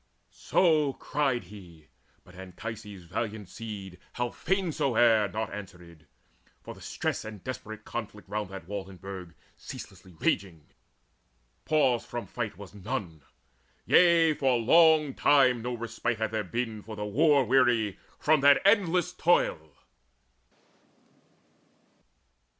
So cried he; but Anchises' valiant seed, How fain soe'er, naught answered, for the stress Of desperate conflict round that wall and burg Ceaselessly raging: pause from fight was none: Yea, for long time no respite had there been For the war weary from that endless toil.